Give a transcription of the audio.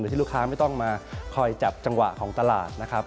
ที่ลูกค้าไม่ต้องมาคอยจับจังหวะของตลาดนะครับ